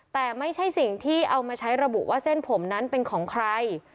แต่ไม่ใช่สิ่งที่เอามาใช้ระบุว่าเส้นผมนั้นเป็นของใคร